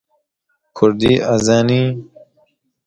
آب را با حوله پاک کردن